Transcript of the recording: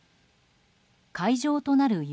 会場となる夢